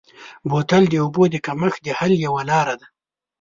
بوتل د اوبو د کمښت د حل یوه لاره ده.